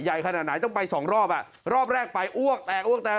ขนาดไหนต้องไปสองรอบอ่ะรอบแรกไปอ้วกแตกอ้วกแตก